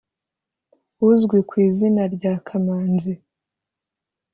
uzwi ku izina rya Kamanzi